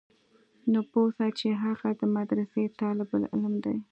نو پوه سه چې هغه د مدرسې طالب العلم دى.